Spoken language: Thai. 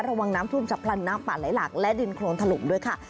ระวังน้ำท่วมฉับพลันน้ำป่าไหลหลักและดินโครนถล่มด้วยค่ะ